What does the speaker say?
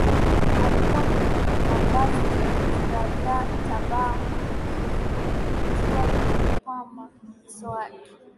Alikua kwenye mavazi ya kiraia tabaamu likiwa limeupamba uso wake